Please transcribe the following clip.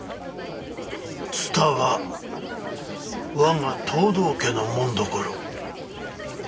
蔦は我が藤堂家の紋所。